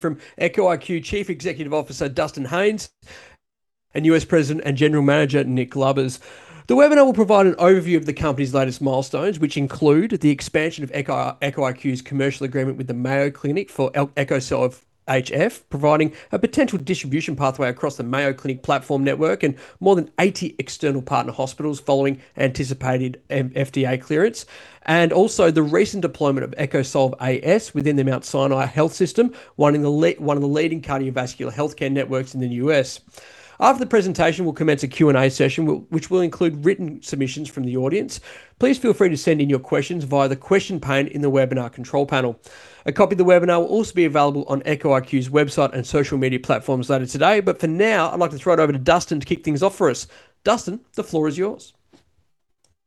From Echo IQ Chief Executive Officer Dustin Haines and U.S. President and General Manager Nick Lubbers. The webinar will provide an overview of the company's latest milestones, which include the expansion of Echo IQ's commercial agreement with the Mayo Clinic for EchoSolv HF, providing a potential distribution pathway across the Mayo Clinic platform network and more than 80 external partner hospitals following anticipated FDA clearance. And also the recent deployment of EchoSolv AS within the Mount Sinai Health System, one of the leading cardiovascular healthcare networks in the U.S. After the presentation, we'll commence a Q&A session which will include written submissions from the audience. Please feel free to send in your questions via the question pane in the webinar control panel. A copy of the webinar will also be available on Echo IQ's website and social media platforms later today. For now, I'd like to throw it over to Dustin to kick things off for us. Dustin, the floor is yours.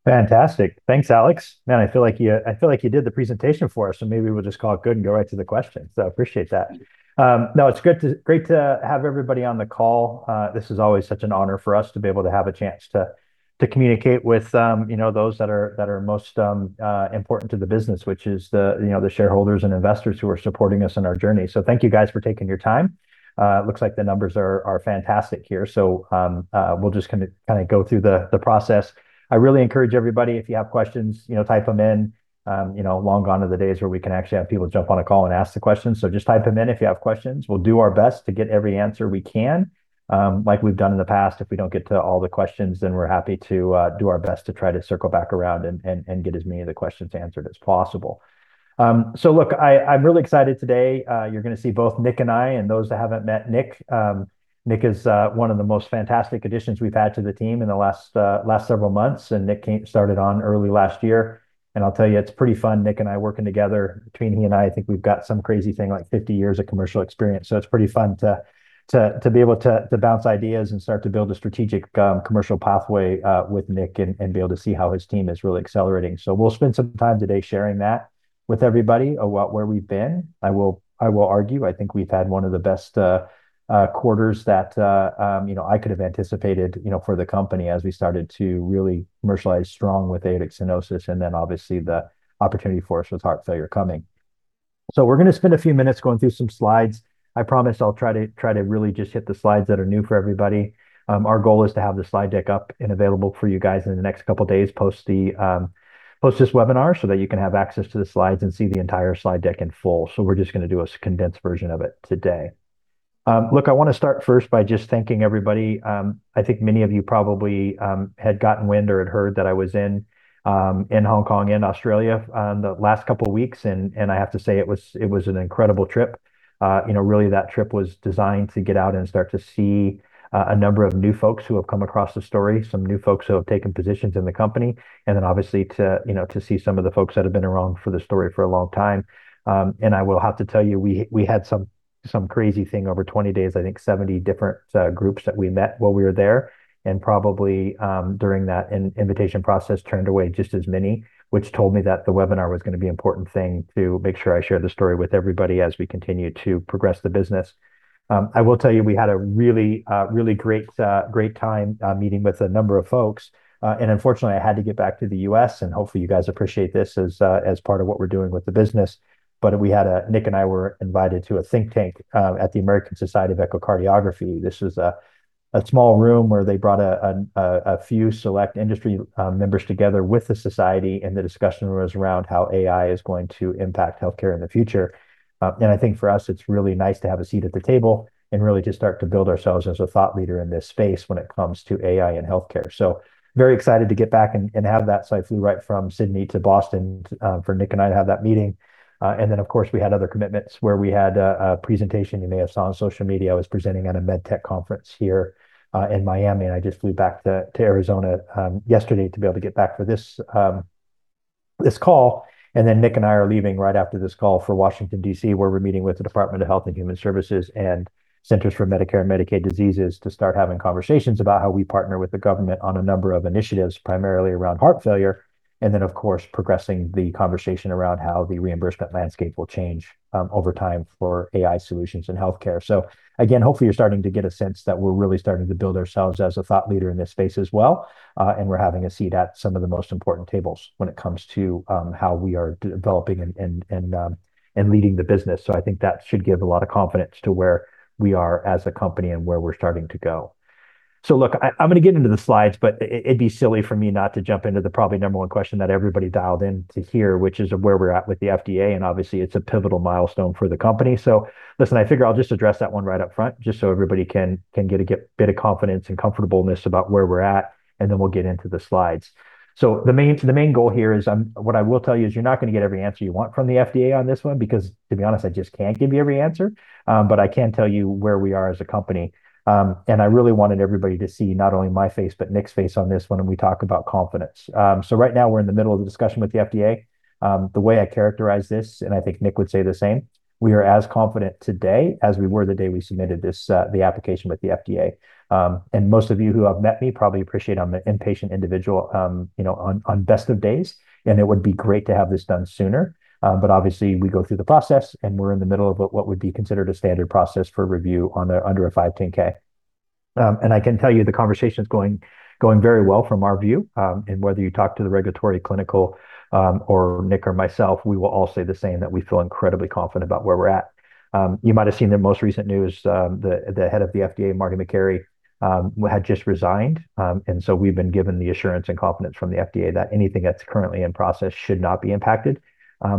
Fantastic. Thanks, Alex. Man, I feel like you did the presentation for us, maybe we'll just call it good and go right to the questions. Appreciate that. No, it's great to have everybody on the call. This is always such an honor for us to be able to have a chance to communicate with, you know, those that are most important to the business, which is the shareholders and investors who are supporting us in our journey. Thank you guys for taking your time. It looks like the numbers are fantastic here. We'll just kind of go through the process. I really encourage everybody, if you have questions, you know, type them in. You know, long gone are the days where we can actually have people jump on a call and ask the questions. Just type them in if you have questions. We'll do our best to get every answer we can. Like we've done in the past, if we don't get to all the questions, then we're happy to do our best to try to circle back around and get as many of the questions answered as possible. Look, I'm really excited today. You're gonna see both Nick and I and those that haven't met Nick is one of the most fantastic additions we've had to the team in the last several months, Nick started on early last year. I'll tell you, it's pretty fun, Nick and I working together. Between he and I think we've got some crazy thing like 50 years of commercial experience. It's pretty fun to be able to bounce ideas and start to build a strategic commercial pathway with Nick and be able to see how his team is really accelerating. We'll spend some time today sharing that with everybody about where we've been. I will argue, I think we've had one of the best quarters that, you know, I could have anticipated, you know, for the company as we started to really commercialize strong with aortic stenosis and obviously the opportunity for us with heart failure coming. We're gonna spend a few minutes going through some slides. I promise I'll try to really just hit the slides that are new for everybody. Our goal is to have the slide deck up and available for you guys in the next two days, post the post this webinar so that you can have access to the slides and see the entire slide deck in full. We're just gonna do a condensed version of it today. Look, I wanna start first by just thanking everybody. I think many of you probably had gotten wind or had heard that I was in Hong Kong and Australia the last two weeks. I have to say it was an incredible trip. You know, really that trip was designed to get out and start to see a number of new folks who have come across the story, some new folks who have taken positions in the company. And then obviously to, you know, to see some of the folks that have been around for the story for a long time. I will have to tell you, we had some crazy thing over 20 days, I think 70 different groups that we met while we were there, and probably during that invitation process. Turned away just as many, which told me that the webinar was going to be important thing to make sure I share the story with everybody as we continue to progress the business. I will tell you, we had a really great time meeting with a number of folks. Unfortunately, I had to get back to the U.S., and hopefully, you guys appreciate this as part of what we're doing with the business. Nick and I were invited to a Think Tank at the American Society of Echocardiography. This was a small room where they brought a few select industry members together with the society. The discussion was around how AI is going to impact healthcare in the future. I think for us, it's really nice to have a seat at the table and really to start to build ourselves as a thought leader in this space when it comes to AI and healthcare. Very excited to get back and have that. I flew right from Sydney to Boston for Nick and I to have that meeting. Then, of course, we had other commitments where we had a presentation you may have seen on social media. I was presenting at a MedTech conference here in Miami, and I just flew back to Arizona yesterday to be able to get back for this call. Nick and I are leaving right after this call for Washington, D.C., where we're meeting with the Department of Health and Human Services and Centers for Medicare & Medicaid Services to start having conversations about how we partner with the government on a number of initiatives, primarily around heart failure, of course, progressing the conversation around how the reimbursement landscape will change over time for AI solutions in healthcare. Again, hopefully, you're starting to get a sense that we're really starting to build ourselves as a thought leader in this space as well, and we're having a seat at some of the most important tables when it comes to how we are developing and leading the business. I think that should give a lot of confidence to where we are as a company and where we're starting to go. I'm going to get into the slides, but it'd be silly for me not to jump into the probably number one question that everybody dialed in to hear, which is where we're at with the FDA, and obviously, it's a pivotal milestone for the company. I figure I'll just address that one right up front just so everybody can get a bit of confidence and comfortableness about where we're at, and then we'll get into the slides. The main goal here is what I will tell you is you're not going to get every answer you want from the FDA on this one because, to be honest, I just can't give you every answer. I can tell you where we are as a company. I really wanted everybody to see not only my face, but Nick's face on this one when we talk about confidence. Right now we're in the middle of the discussion with the FDA. The way I characterize this, I think Nick would say the same, we are as confident today as we were the day we submitted this, the application with the FDA. Most of you who have met me probably appreciate I'm an impatient individual, you know, on best of days, and it would be great to have this done sooner. Obviously, we go through the process, and we're in the middle of what would be considered a standard process for review under a 510(k). I can tell you the conversation's going very well from our view. Whether you talk to the regulatory clinical, or Nick or myself, we will all say the same, that we feel incredibly confident about where we're at. You might have seen the most recent news, the head of the FDA, Marty Makary, had just resigned. So we've been given the assurance and confidence from the FDA that anything that's currently in process should not be impacted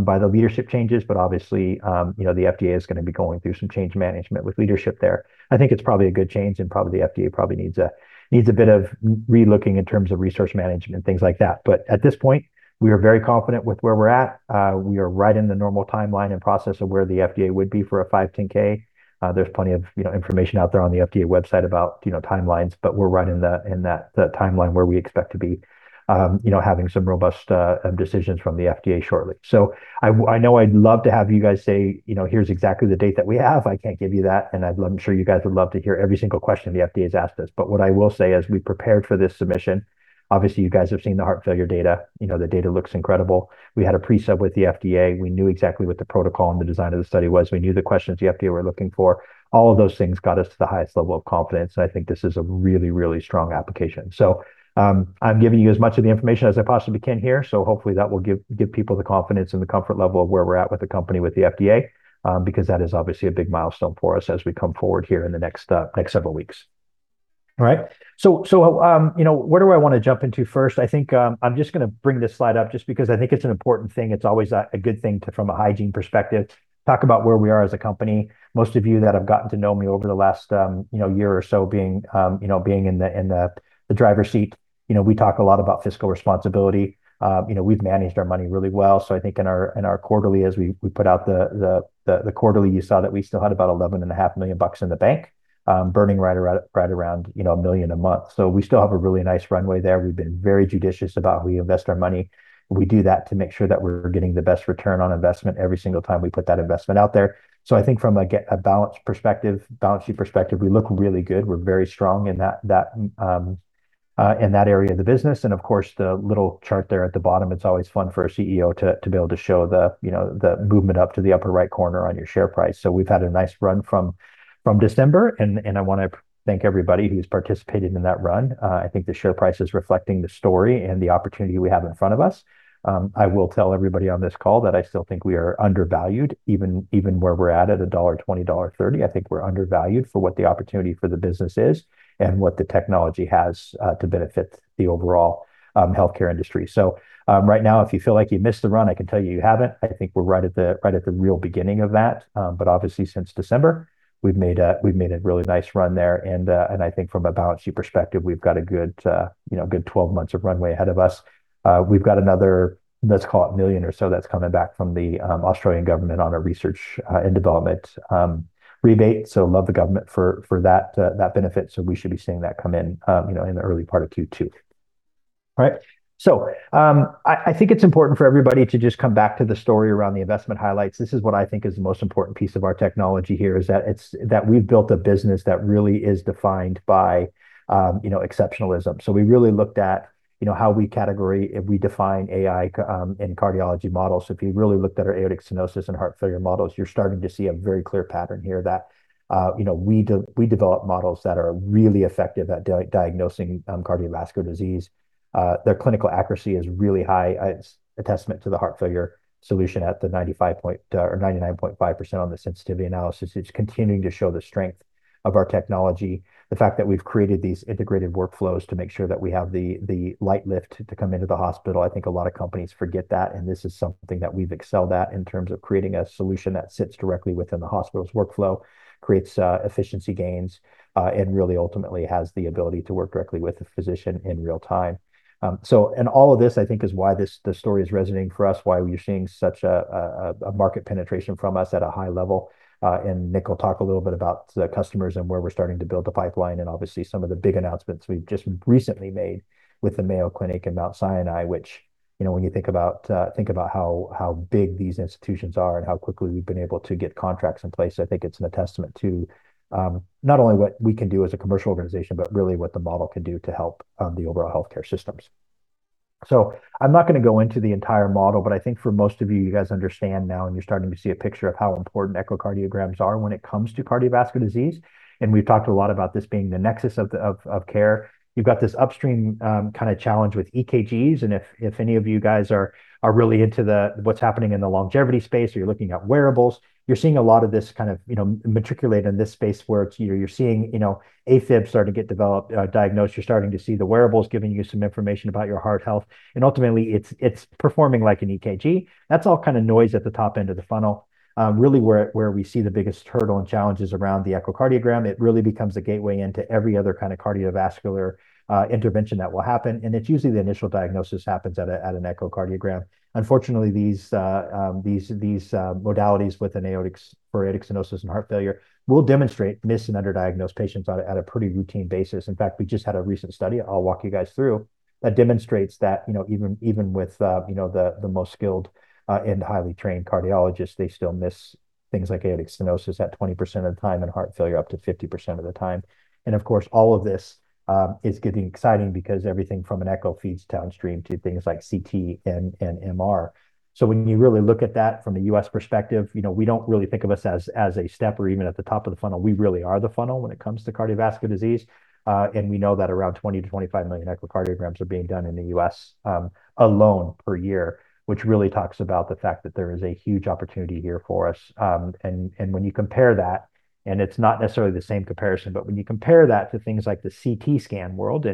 by the leadership changes. Obviously, you know, the FDA is gonna be going through some change management with leadership there. I think it's probably a good change, and probably the FDA needs a bit of relooking in terms of resource management and things like that. At this point, we are very confident with where we're at. We are right in the normal timeline and process of where the FDA would be for a 510(k). There's plenty of, you know, information out there on the FDA website about, you know, timelines, but we're right in that timeline where we expect to be, having some robust decisions from the FDA shortly. I know I'd love to have you guys say, you know, here's exactly the date that we have. I can't give you that. I'm sure you guys would love to hear every single question the FDA has asked us. What I will say, as we prepared for this submission, obviously, you guys have seen the heart failure data. You know, the data looks incredible. We had a pre-sub with the FDA. We knew exactly what the protocol and the design of the study was. We knew the questions the FDA were looking for. All of those things got us to the highest level of confidence, and I think this is a really strong application. I'm giving you as much of the information as I possibly can here, so hopefully that will give people the confidence and the comfort level of where we're at with the company with the FDA, because that is obviously a big milestone for us as we come forward here in the next several weeks. All right. You know, where do I want to jump into first. I think, I'm just going to bring this slide up just because I think it's an important thing. It's always a good thing to, from a hygiene perspective, talk about where we are as a company. Most of you that have gotten to know me over the last, you know, year or so being, you know, being in the driver's seat. You know, we talk a lot about fiscal responsibility. You know, we've managed our money really well. I think in our quarterly, as we put out the quarterly, you saw that we still had about 11.5 million bucks in the bank, burning right around, you know, a million a month. We still have a really nice runway there. We've been very judicious about how we invest our money. We do that to make sure that we're getting the best return on investment every single time we put that investment out there. I think from a balance perspective, balance sheet perspective, we look really good. We're very strong in that area of the business. Of course, the little chart there at the bottom, it's always fun for a CEO to be able to show the, you know, the movement up to the upper right corner on your share price. We've had a nice run from December, and I wanna thank everybody who's participated in that run. I think the share price is reflecting the story and the opportunity we have in front of us. I will tell everybody on this call that I still think we are undervalued, even where we're at AUD 1.20, 1.30 dollar. I think we're undervalued for what the opportunity for the business is and what the technology has to benefit the overall healthcare industry. Right now, if you feel like you missed the run, I can tell you haven't. I think we're right at the real beginning of that. Obviously, since December, we've made a really nice run there. I think from a balance sheet perspective, we've got a good, you know, good 12 months of runway ahead of us. We've got another, let's call it million or so that's coming back from the Australian government on a research and development rebate. Love the government for that benefit. We should be seeing that come in, you know, in the early part of Q2. All right. I think it's important for everybody to just come back to the story around the investment highlights. This is what I think is the most important piece of our technology here, that we've built a business that really is defined by, you know, exceptionalism. We really looked at, you know, how we define AI in cardiology models. If you really looked at our aortic stenosis and heart failure models, you're starting to see a very clear pattern here that, you know, we develop models that are really effective at diagnosing cardiovascular disease. Their clinical accuracy is really high. It's a testament to the heart failure solution at the 99.5% on the sensitivity analysis. It's continuing to show the strength of our technology. The fact that we've created these integrated workflows to make sure that we have the light lift to come into the hospital, I think a lot of companies forget that. This is something that we've excelled at in terms of creating a solution that sits directly within the hospital's workflow, creates efficiency gains and really ultimately has the ability to work directly with the physician in real time. All of this, I think, is why this story is resonating for us, why you're seeing such a market penetration from us at a high level. Nick will talk a little bit about the customers and where we're starting to build the pipeline and obviously some of the big announcements we've just recently made with the Mayo Clinic and Mount Sinai, which, you know, when you think about how big these institutions are and how quickly we've been able to get contracts in place. I think it's a testament to not only what we can do as a commercial organization, but really what the model can do to help the overall healthcare systems. I'm not gonna go into the entire model, but I think for most of you guys understand now, and you're starting to see a picture of how important echocardiograms are when it comes to cardiovascular disease, and we've talked a lot about this being the nexus of care. You've got this upstream, kind of challenge with EKGs, and if any of you guys are really into the, what's happening in the longevity space or you're looking at wearables, you're seeing a lot of this kind of, you know, matriculate in this space where it's, you're seeing, you know, AFib starting to get developed, diagnosed. You're starting to see the wearables giving you some information about your heart health. Ultimately, it's performing like an EKG. That's all kind of noise at the top end of the funnel. Really where we see the biggest hurdle and challenge is around the echocardiogram. It really becomes a gateway into every other kind of cardiovascular intervention that will happen, and it's usually the initial diagnosis happens at a, at an echocardiogram. Unfortunately, these modalities for aortic stenosis and heart failure will demonstrate missed and underdiagnosed patients on a pretty routine basis. In fact, we just had a recent study I'll walk you guys through that demonstrates that, you know, even with, you know, the most skilled and highly trained cardiologists. They still miss things like aortic stenosis at 20% of the time and heart failure up to 50% of the time. Of course, all of this is getting exciting because everything from an echo feeds downstream to things like CT and MR. When you really look at that from a U.S. perspective, you know, we don't really think of us as a step or even at the top of the funnel. We really are the funnel when it comes to cardiovascular disease. We know that around 20 million-25 million echocardiograms are being done in the U.S. alone per year, which really talks about the fact that there is a huge opportunity here for us. When you compare that, and it's not necessarily the same comparison, but when you compare that to things like the CT scan world,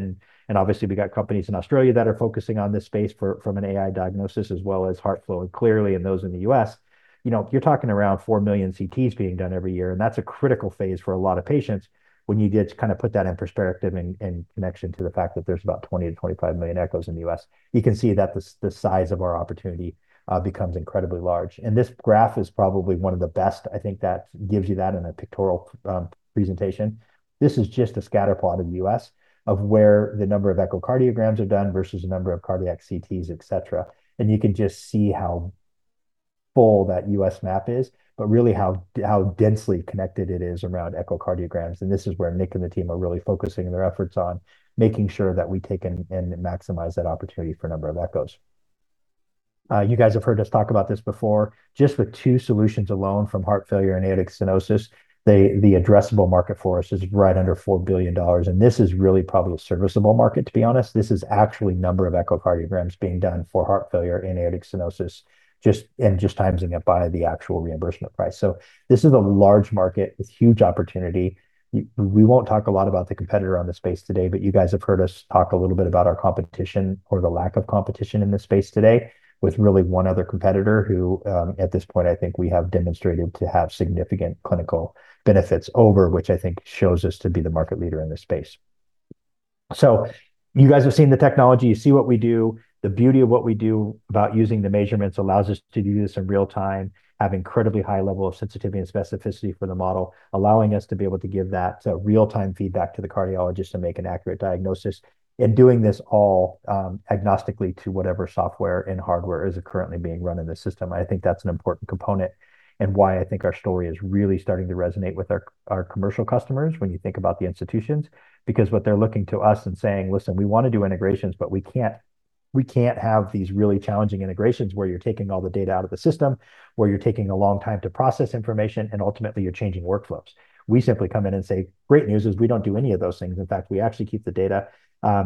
obviously we got companies in Australia that are focusing on this space from an AI diagnosis as well as HeartFlow and Cleerly and those in the U.S. You know, you're talking around 4 million CTs being done every year, and that's a critical phase for a lot of patients. When you get to kind of put that in perspective and connection to the fact that there's about 20 million-25 million echoes in the U.S., you can see that the size of our opportunity becomes incredibly large. This graph is probably one of the best, I think, that gives you that in a pictorial presentation. This is just a scatter plot of the U.S. of where the number of echocardiograms are done versus the number of cardiac CTs, et cetera. You can just see how full that U.S. map is, but really how densely connected it is around echocardiograms. This is where Nick and the team are really focusing their efforts on making sure that we take and maximize that opportunity for a number of echoes. You guys have heard us talk about this before. Just with two solutions alone from heart failure and aortic stenosis, the addressable market for us is right under 4 billion dollars. This is really probably the serviceable market, to be honest. This is actually number of echocardiograms being done for heart failure and aortic stenosis just timesing it by the actual reimbursement price. This is a large market with huge opportunity. We won't talk a lot about the competitor on the space today, you guys have heard us talk a little bit about our competition or the lack of competition in this space today with really one other competitor who. At this point, I think we have demonstrated to have significant clinical benefits over, which I think shows us to be the market leader in this space. You guys have seen the technology. You see what we do. The beauty of what we do about using the measurements allows us to do this in real time, have incredibly high level of sensitivity and specificity for the model, allowing us to be able to give that real-time feedback to the cardiologist to make an accurate diagnosis. Doing this all agnostically to whatever software and hardware is currently being run in the system. I think that's an important component and why I think our story is really starting to resonate with our commercial customers when you think about the institutions. What they're looking to us and saying, listen, we wanna do integrations, but we can't. We can't have these really challenging integrations where you're taking all the data out of the system, where you're taking a long time to process information, and ultimately you're changing workflows. We simply come in and say, great news is we don't do any of those things. In fact, we actually keep the data,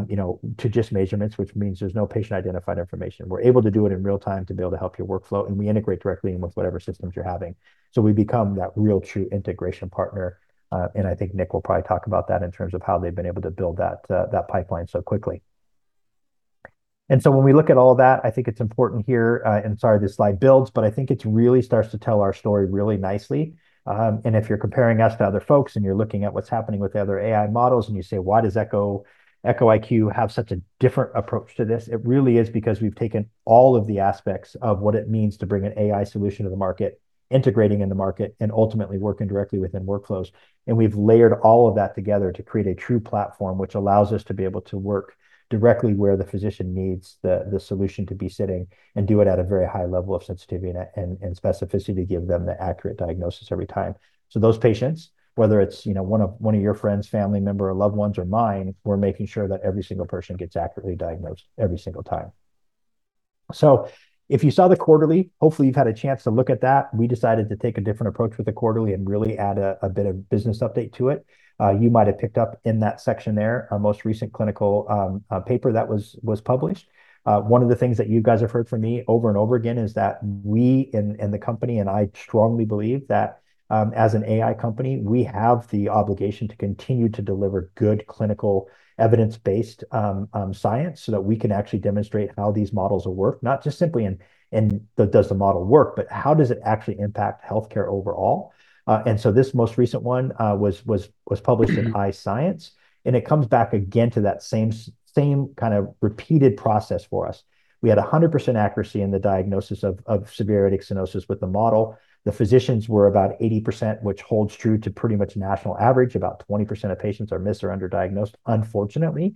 you know, to just measurements, which means there's no patient-identified information. We're able to do it in real time to be able to help your workflow, and we integrate directly in with whatever systems you're having. We become that real true integration partner. I think Nick will probably talk about that in terms of how they've been able to build that pipeline so quickly. When we look at all that, I think it's important here, and sorry this slide builds, but I think it really starts to tell our story really nicely. If you're comparing us to other folks and you're looking at what's happening with the other AI models and you say, why does Echo IQ have such a different approach to this? It really is because we've taken all of the aspects of what it means to bring an AI solution to the market, integrating in the market, and ultimately working directly within workflows. We've layered all of that together to create a true platform which allows us to be able to work directly where the physician needs the solution to be sitting and do it at a very high level of sensitivity and specificity to give them the accurate diagnosis every time. Those patients, whether it's, you know, one of your friends, family member, or loved ones or mine, we're making sure that every single person gets accurately diagnosed every single time. If you saw the quarterly, hopefully you've had a chance to look at that. We decided to take a different approach with the quarterly and really add a bit of business update to it. You might have picked up in that section there our most recent clinical paper that was published. One of the things that you guys have heard from me over and over again is that we in the company and I strongly believe that as an AI company, we have the obligation to continue to deliver good clinical evidence-based science so that we can actually demonstrate how these models will work, not just simply in does the model work, but how does it actually impact healthcare overall. This most recent one was published in Science, and it comes back again to that same kind of repeated process for us. We had 100% accuracy in the diagnosis of severe aortic stenosis with the model. The physicians were about 80%, which holds true to pretty much national average. About 20% of patients are missed or underdiagnosed, unfortunately,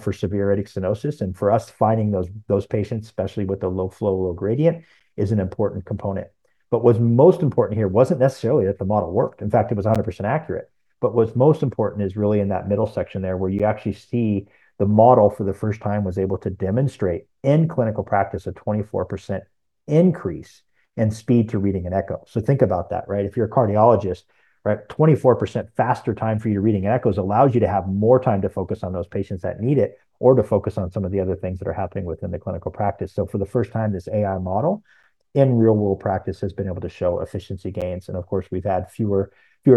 for severe aortic stenosis. For us, finding those patients, especially with the low flow, low gradient, is an important component. What's most important here wasn't necessarily that the model worked. In fact, it was 100% accurate. What's most important is really in that middle section there where you actually see the model for the first time was able to demonstrate in clinical practice a 24% increase in speed to reading an echo. Think about that, right? If you're a cardiologist, right, 24% faster time for you to reading echoes allows you to have more time to focus on those patients that need it or to focus on some of the other things that are happening within the clinical practice. For the first time, this AI model in real world practice has been able to show efficiency gains. We've had fewer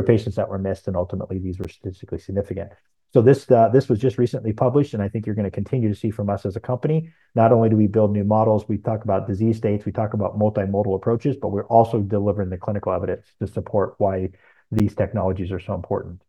patients that were missed, and ultimately these were statistically significant. This was just recently published, and I think you're gonna continue to see from us as a company, not only do we build new models. We talk about disease states, we talk about multimodal approaches, but we're also delivering the clinical evidence to support why these technologies are so important.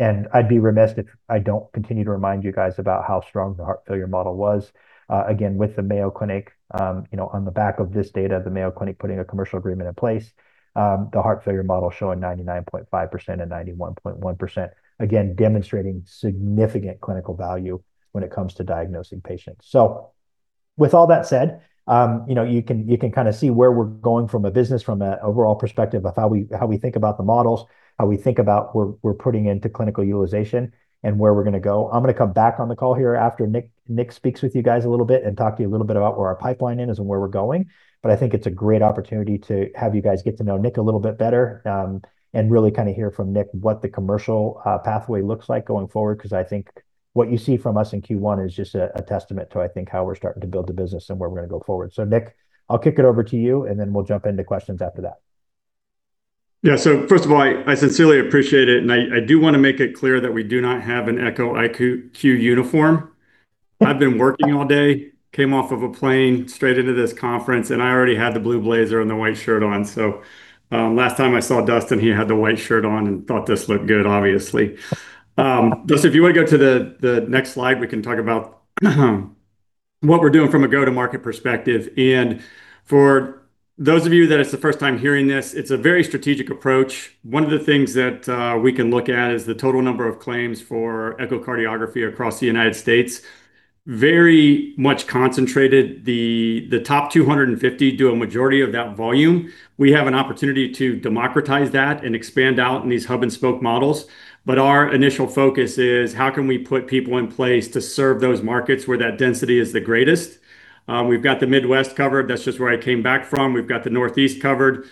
I'd be remiss if I don't continue to remind you guys about how strong the heart failure model was. Again, with the Mayo Clinic, you know, on the back of this data, the Mayo Clinic putting a commercial agreement in place. The heart failure model showing 99.5% and 91.1%, again, demonstrating significant clinical value when it comes to diagnosing patients. With all that said, you know, you can kind of see where we're going from an overall perspective of how we, how we think about the models, how we think about we're putting into clinical utilization and where we're going to go. I'm going to come back on the call here after Nick speaks with you guys a little bit and talk to you a little bit about where our pipeline is and where we're going. I think it's a great opportunity to have you guys get to know Nick a little bit better, and really kind of hear from Nick what the commercial pathway looks like going forward, because I think what you see from us in Q1 is just a testament to, I think, how we're starting to build the business and where we're gonna go forward. Nick, I'll kick it over to you, and then we'll jump into questions after that. Yeah. First of all, I sincerely appreciate it, and I do wanna make it clear that we do not have an Echo IQ uniform. I've been working all day, came off of a plane straight into this conference, I already had the blue blazer and the white shirt on. Last time I saw Dustin, he had the white shirt on and thought this looked good, obviously. Dustin, if you wanna go to the next slide, we can talk about what we're doing from a go-to-market perspective. For those of you that it's the first time hearing this, it's a very strategic approach. One of the things that we can look at is the total number of claims for echocardiography across the United States. Very much concentrated. The top 250 do a majority of that volume. We have an opportunity to democratize that and expand out in these hub-and-spoke models, but our initial focus is. How can we put people in place to serve those markets where that density is the greatest? We've got the Midwest covered. That's just where I came back from. We've got the Northeast covered.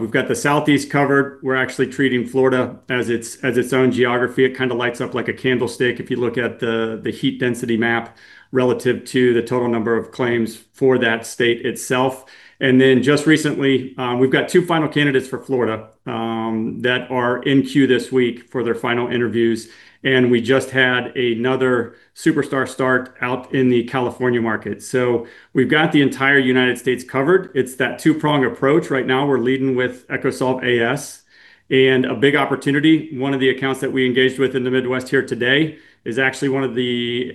We've got the Southeast covered. We're actually treating Florida as its, as its own geography. It kind of lights up like a candlestick if you look at the heat density map relative to the total number of claims for that state itself. Just recently, we've got two final candidates for Florida that are in queue this week for their final interviews, and we just had another superstar start out in the California market. We've got the entire U.S. covered. It's that two-prong approach. Right now we're leading with EchoSolv AS. A big opportunity, one of the accounts that we engaged with in the Midwest here today is actually one of the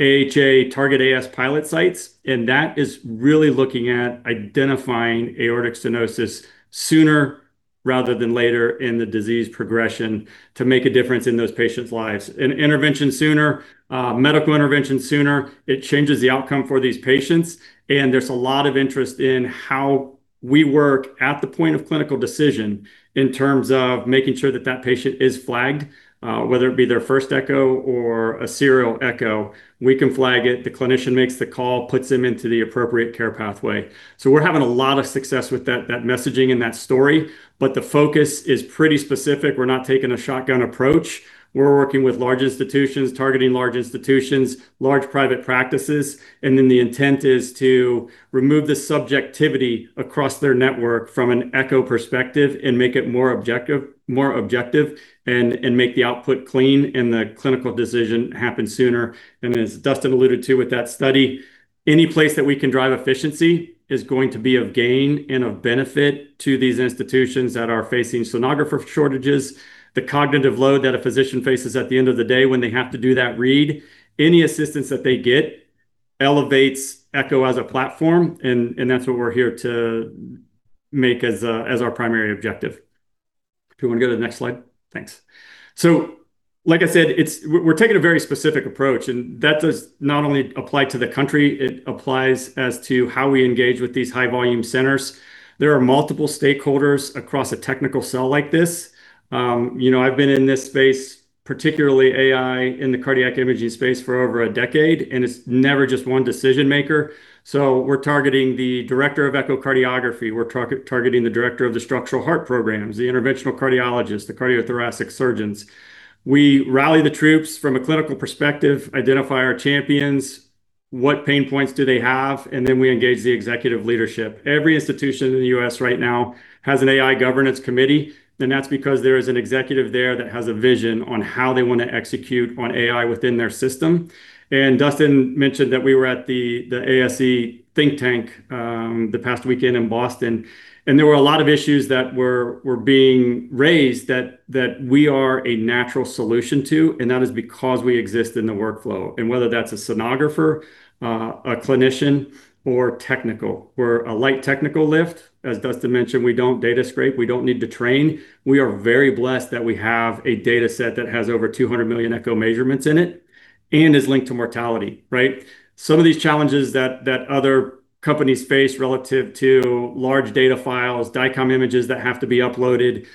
AHA Target: Aortic Stenosis pilot sites, and that is really looking at identifying aortic stenosis sooner rather than later in the disease progression to make a difference in those patients' lives. An intervention sooner, medical intervention sooner, it changes the outcome for these patients, and there's a lot of interest in how we work at the point of clinical decision in terms of making sure that that patient is flagged. Whether it be their first echo or a serial echo, we can flag it. The clinician makes the call, puts them into the appropriate care pathway. We're having a lot of success with that messaging and that story, but the focus is pretty specific. We're not taking a shotgun approach. We're working with large institutions, targeting large institutions, large private practices, then the intent is to remove the subjectivity across their network from an echo perspective and make it more objective and make the output clean and the clinical decision happen sooner. As Dustin alluded to with that study, any place that we can drive efficiency is going to be of gain and of benefit to these institutions that are facing sonographer shortages. The cognitive load that a physician faces at the end of the day when they have to do that read, any assistance that they get elevates Echo as a platform and that's what we're here to make as our primary objective. If you wanna go to the next slide. Thanks. Like I said, we're taking a very specific approach, and that does not only apply to the country, it applies as to how we engage with these high-volume centers. There are multiple stakeholders across a technical sell like this. You know, I've been in this space, particularly AI in the cardiac imaging space, for over a decade, and it's never just one decision-maker. We're targeting the Director of Echocardiography. We're targeting the Director of the Structural Heart programs, the Interventional Cardiologists, the Cardiothoracic Surgeons. We rally the troops from a clinical perspective, identify our champions, what pain points do they have, and then we engage the executive leadership. Every institution in the U.S. right now has an AI governance committee, and that's because there is an executive there that has a vision on how they wanna execute on AI within their system. Dustin mentioned that we were at the ASE Think Tank the past weekend in Boston, and there were a lot of issues that were being raised that we are a natural solution to, and that is because we exist in the workflow. Whether that's a sonographer, a clinician, or technical. We're a light technical lift. As Dustin mentioned, we don't data scrape. We don't need to train. We are very blessed that we have a data set that has over 200 million echo measurements in it and is linked to mortality, right? Some of these challenges that other companies face relative to large data files, DICOM images that have to be uploaded,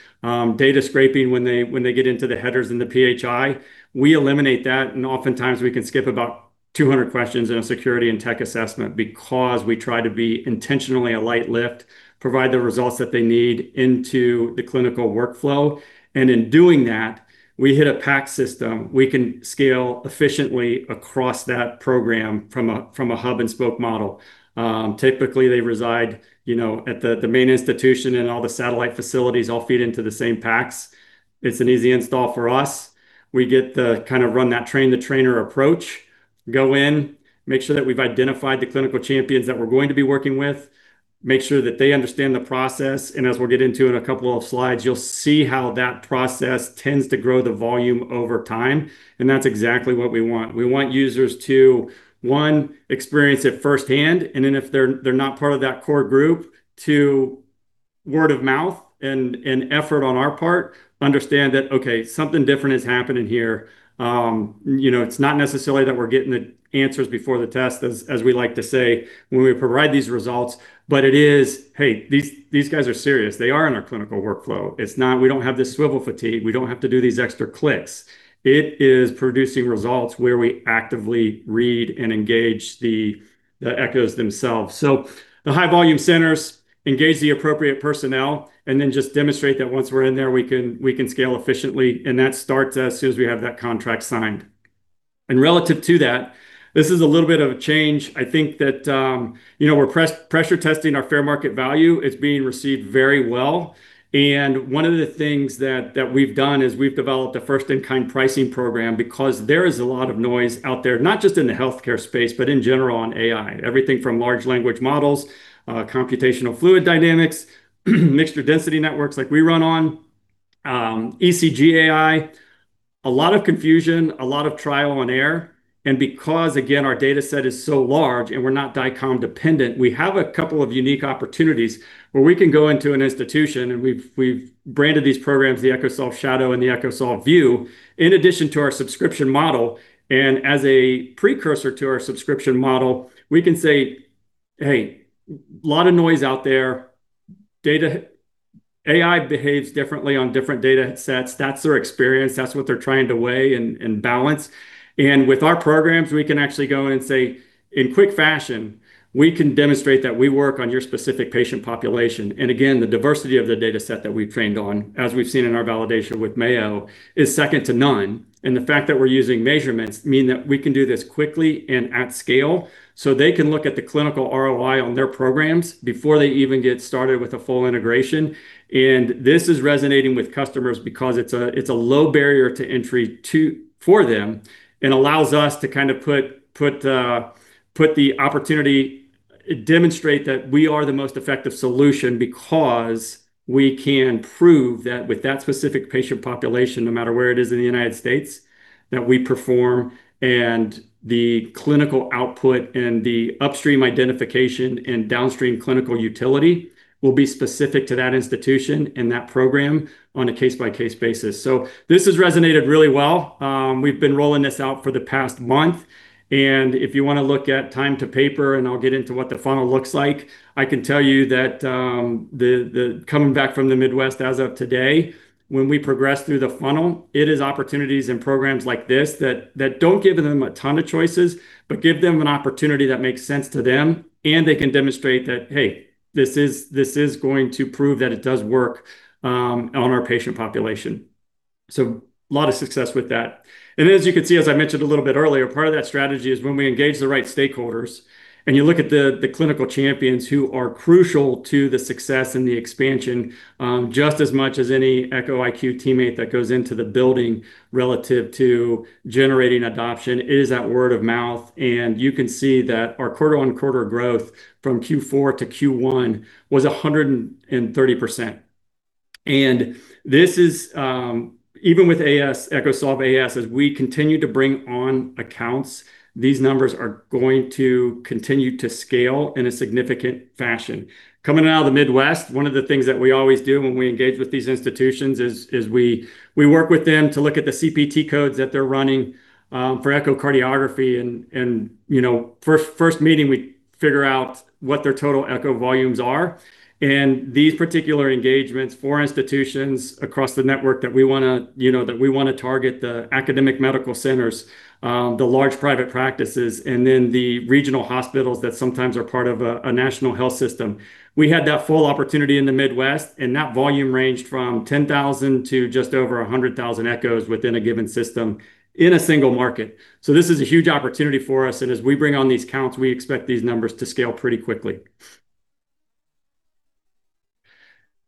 data scraping when they get into the headers in the PHI, we eliminate that. Oftentimes we can skip about 200 questions in a security and tech assessment because we try to be intentionally a light lift, provide the results that they need into the clinical workflow. In doing that, we hit a PACS. We can scale efficiently across that program from a hub-and-spoke model. Typically they reside, you know, at the main institution, and all the satellite facilities all feed into the same PACS. It's an easy install for us. We get to kind of run that train-the-trainer approach. Go in, make sure that we've identified the clinical champions that we're going to be working with, make sure that they understand the process. As we'll get into in a couple of slides, you'll see how that process tends to grow the volume over time, and that's exactly what we want. We want users to, one, experience it firsthand, and then if they're not part of that core group, to word of mouth and effort on our part understand that, okay, something different is happening here. You know, it's not necessarily that we're getting the answers before the test as we like to say when we provide these results, but it is, hey, these guys are serious. They are in our clinical workflow. It's not we don't have the swivel fatigue. We don't have to do these extra clicks. It is producing results where we actively read and engage the echoes themselves. The high volume centers engage the appropriate personnel, then just demonstrate that once we're in there, we can scale efficiently, and that starts as soon as we have that contract signed. Relative to that, this is a little bit of a change. I think that, you know, we're pressure testing our fair market value. It's being received very well. One of the things that we've done is we've developed a first-in-kind pricing program because there is a lot of noise out there, not just in the healthcare space, but in general on AI. Everything from large language models, computational fluid dynamics, mixture density networks like we run on ECG AI, a lot of confusion, a lot of trial and error. Because, again, our dataset is so large and we're not DICOM dependent, we have a couple of unique opportunities where we can go into an institution, and we've branded these programs, the EchoSolv Shadow and the EchoSolv View, in addition to our subscription model. As a precursor to our subscription model, we can say, hey, lot of noise out there. AI behaves differently on different datasets. That's their experience. That's what they're trying to weigh and balance. With our programs, we can actually go in and say, in quick fashion, we can demonstrate that we work on your specific patient population. Again, the diversity of the dataset that we've trained on, as we've seen in our validation with Mayo, is second to none. The fact that we're using measurements mean that we can do this quickly and at scale, so they can look at the clinical ROI on their programs before they even get started with a full integration. This is resonating with customers because it's a low barrier for them and allows us to kind of demonstrate that we are the most effective solution because we can prove that with that specific patient population, no matter where it is in the U.S. That we perform and the clinical output and the upstream identification and downstream clinical utility will be specific to that institution and that program on a case-by-case basis. This has resonated really well. We've been rolling this out for the past month. If you want to look at time to paper, I'll get into what the funnel looks like, I can tell you that the coming back from the Midwest as of today, when we progress through the funnel, it is opportunities and programs like this that don't give them a ton of choices. But give them an opportunity that makes sense to them, and they can demonstrate that, hey, this is going to prove that it does work on our patient population. A lot of success with that. As you can see, as I mentioned a little bit earlier, part of that strategy is when we engage the right stakeholders, and you look at the clinical champions who are crucial to the success and the expansion, just as much as any Echo IQ teammate that goes into the building relative to generating adoption, it is that word of mouth. You can see that our quarter-on-quarter growth from Q4-Q1 was 130%. This is even with EchoSolv AS, as we continue to bring on accounts, these numbers are going to continue to scale in a significant fashion. Coming out of the Midwest, one of the things that we always do when we engage with these institutions is we work with them to look at the CPT codes that they're running for echocardiography and, you know, first meeting, we figure out what their total echo volumes are. These particular engagements for institutions across the network that we wanna target, the academic medical centers, the large private practices, and then the regional hospitals that sometimes are part of a national health system. We had that full opportunity in the Midwest. That volume ranged from 10,000 to just over 100,000 echoes within a given system in a single market. This is a huge opportunity for us. As we bring on these counts, we expect these numbers to scale pretty quickly.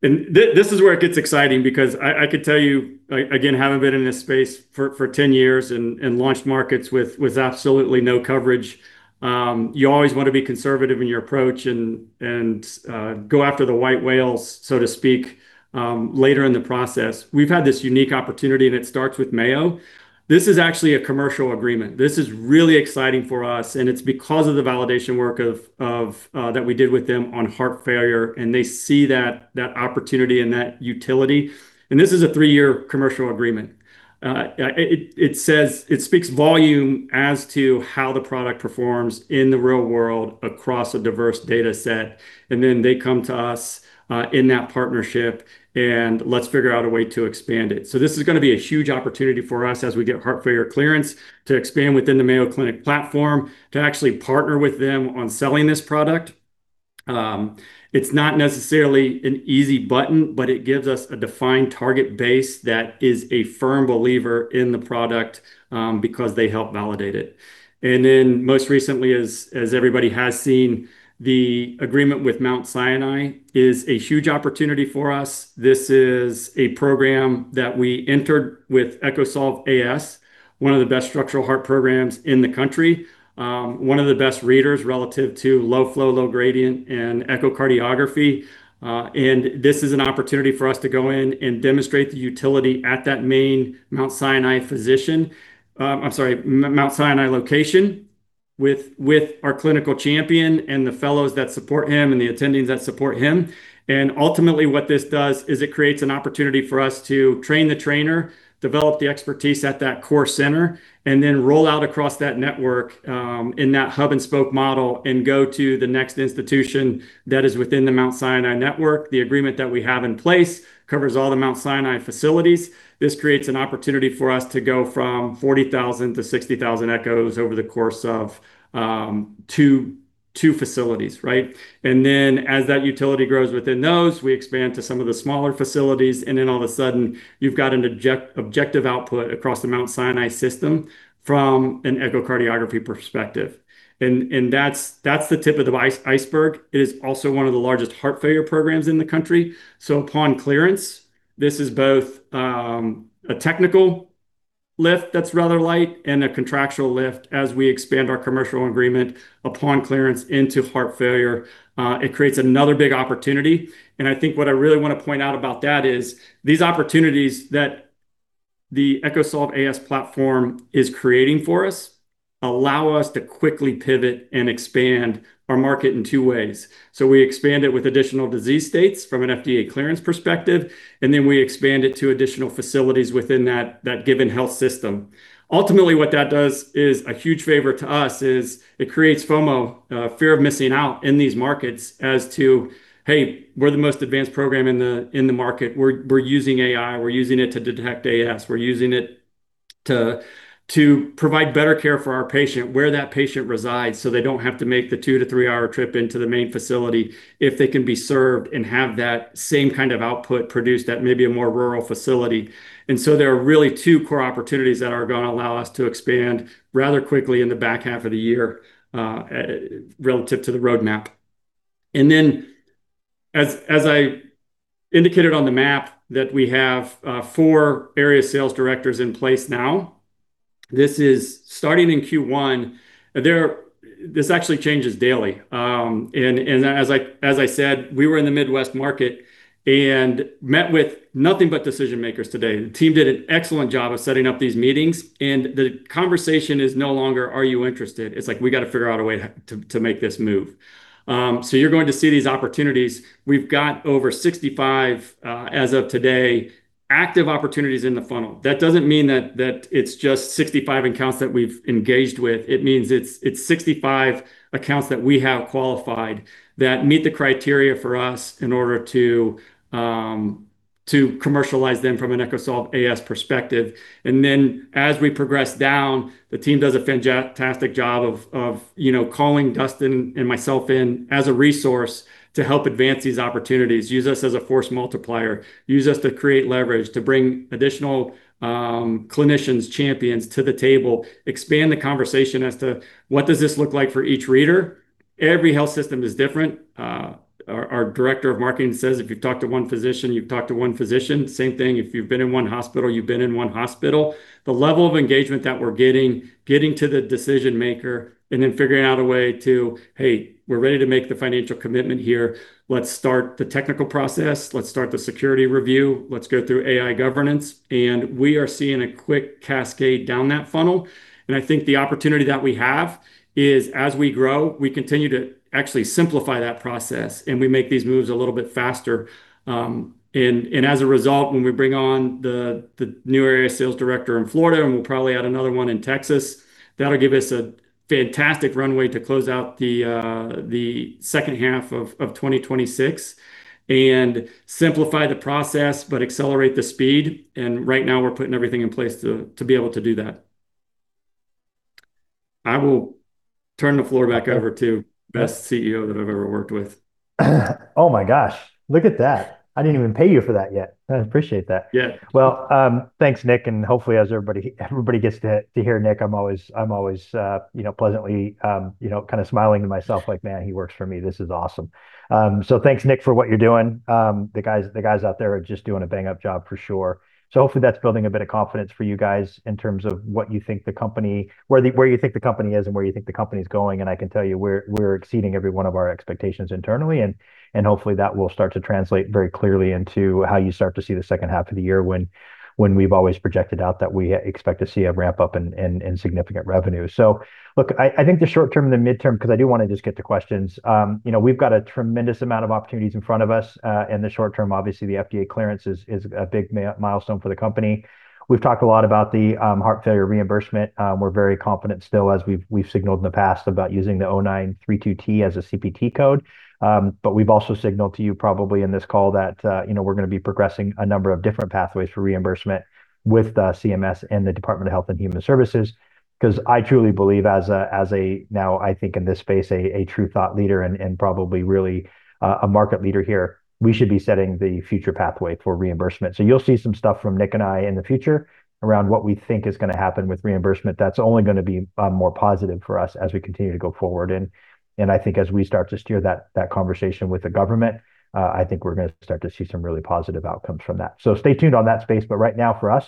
This is where it gets exciting because I could tell you, again, having been in this space for 10 years and launched markets with absolutely no coverage. You always want to be conservative in your approach and go after the white whales, so to speak, later in the process. We've had this unique opportunity. It starts with Mayo. This is actually a commercial agreement. This is really exciting for us. It's because of the validation work of that we did with them on heart failure, and they see that opportunity and that utility. This is a 3-year commercial agreement. It speaks volume as to how the product performs in the real world across a diverse dataset. They come to us in that partnership, and let's figure out a way to expand it. This is gonna be a huge opportunity for us as we get heart failure clearance to expand within the Mayo Clinic platform to actually partner with them on selling this product. It's not necessarily an easy button, but it gives us a defined target base that is a firm believer in the product, because they help validate it. Most recently, as everybody has seen, the agreement with Mount Sinai is a huge opportunity for us. This is a program that we entered with EchoSolv AS, one of the best structural heart programs in the country, one of the best readers relative to low flow, low gradient, and echocardiography. This is an opportunity for us to go in and demonstrate the utility at that main Mount Sinai location. With our clinical champion and the fellows that support him and the attendings that support him. Ultimately, what this does is it creates an opportunity for us to train the trainer, develop the expertise at that core center, and then roll out across that network in that bub-and-spoke model and go to the next institution that is within the Mount Sinai network. The agreement that we have in place covers all the Mount Sinai facilities. This creates an opportunity for us to go from 40,000 to 60,000 echoes over the course of two facilities, right? As that utility grows within those, we expand to some of the smaller facilities, then all of a sudden you've got an objective output across the Mount Sinai Health System from an echocardiography perspective. That's the tip of the iceberg. It is also one of the largest heart failure programs in the country. Upon clearance, this is both a technical lift that's rather light and a contractual lift as we expand our commercial agreement upon clearance into heart failure. It creates another big opportunity. I think what I really wanna point out about that is these opportunities that the EchoSolv AS platform is creating for us allow us to quickly pivot and expand our market in two ways. We expand it with additional disease states from an FDA clearance perspective, and then we expand it to additional facilities within that given health system. Ultimately, what that does is a huge favor to us is it creates FOMO, fear of missing out in these markets as to, hey, we're the most advanced program in the market. We're using AI. We're using it to detect AS. We're using it to provide better care for our patient where that patient resides, so they don't have to make the 2-to-3-hour trip into the main facility if they can be served and have that same kind of output produced at maybe a more rural facility. There are really two core opportunities that are gonna allow us to expand rather quickly in the back half of the year, relative to the roadmap. As I indicated on the map that we have, four area sales directors in place now, this is starting in Q1. This actually changes daily. As I said, we were in the Midwest market and met with nothing but decision-makers today. The team did an excellent job of setting up these meetings. The conversation is no longer, are you interested? It's like, we got to figure out a way to make this move. You're going to see these opportunities. We've got over 65, as of today, active opportunities in the funnel. That doesn't mean that it's just 65 accounts that we've engaged with. It means it's 65 accounts that we have qualified that meet the criteria for us in order to commercialize them from an EchoSolv AS perspective. As we progress down, the team does a fantastic job of, you know, calling Dustin and myself in as a resource to help advance these opportunities, use us as a force multiplier, use us to create leverage, to bring additional clinicians, champions to the table, expand the conversation as to what does this look like for each reader. Every health system is different. Our Director of marketing says, if you've talked to one physician, you've talked to one physician. Same thing, if you've been in one hospital, you've been in one hospital. The level of engagement that we're getting to the decision-maker, and then figuring out a way to, hey, we're ready to make the financial commitment here. Let's start the technical process. Let's start the security review. Let's go through AI governance. We are seeing a quick cascade down that funnel, and I think the opportunity that we have is, as we grow, we continue to actually simplify that process, and we make these moves a little bit faster. As a result, when we bring on the new area sales director in Florida, and we'll probably add another one in Texas, that'll give us a fantastic runway to close out the second half of 2026 and simplify the process, but accelerate the speed. Right now we're putting everything in place to be able to do that. I will turn the floor back over to best CEO that I've ever worked with. Oh my gosh. Look at that. I didn't even pay you for that yet. I appreciate that. Yeah. Well, thanks, Nick, and hopefully as everybody gets to hear Nick, I'm always, you know, pleasantly, you know, kind of smiling to myself like, man, he works for me. This is awesome. Thanks Nick for what you're doing. The guys out there are just doing a bang-up job for sure. Hopefully that's building a bit of confidence for you guys in terms of what you think the company is and where you think the company's going. I can tell you we're exceeding every one of our expectations internally, and hopefully that will start to translate very clearly into how you start to see the second half of the year when we've always projected out that we expect to see a ramp-up and significant revenue. Look, I think the short term and the midterm, because I do wanna just get to questions, you know, we've got a tremendous amount of opportunities in front of us. In the short term, obviously the FDA clearance is a big milestone for the company. We've talked a lot about the heart failure reimbursement. We're very confident still, as we've signaled in the past about using the 0932T as a CPT code. We've also signaled to you probably in this call that we're gonna be progressing a number of different pathways for reimbursement with the CMS and the Department of Health and Human Services because I truly believe as a, now I think in this space, a true thought leader and probably really a market leader here, we should be setting the future pathway for reimbursement. You'll see some stuff from Nick and I in the future around what we think is gonna happen with reimbursement. That's only gonna be more positive for us as we continue to go forward. I think as we start to steer that conversation with the government, I think we're gonna start to see some really positive outcomes from that. Stay tuned on that space. Right now for us,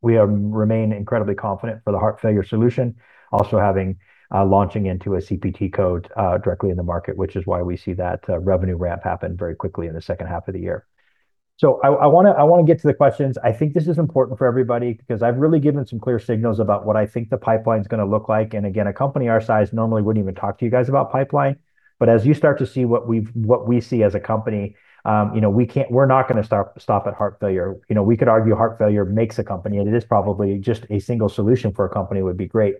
we remain incredibly confident for the heart failure solution. Also having launching into a CPT code directly in the market, which is why we see that revenue ramp happen very quickly in the second half of the year. I wanna get to the questions. I think this is important for everybody, because I've really given some clear signals about what I think the pipeline's gonna look like. Again, a company our size normally wouldn't even talk to you guys about pipeline. As you start to see what we see as a company, you know, we can't we're not gonna stop at heart failure. You know, we could argue heart failure makes a company, and it is probably just a single solution for a company would be great.